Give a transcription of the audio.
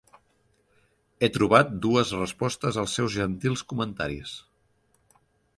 He trobat dues respostes als seus gentils comentaris.